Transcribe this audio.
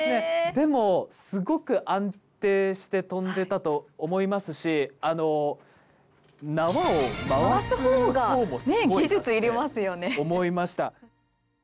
でもすごく安定して跳んでたと思いますし縄を回すほうもすごいなって思いました。